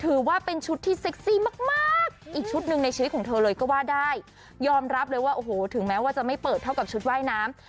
ถือว่าเป็นชุดที่เซ็กซี่มากมากอีกชุดหนึ่งในชีวิตของเธอเลยก็ว่าได้ยอมรับเลยว่าโอ้โหถึงแม้ว่าจะไม่เปิดเท่ากับชุดว่ายน้ำ